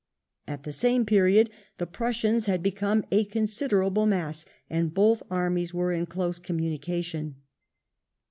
At the same period the Prussians had become a considerable mass, and both armies were in close communication.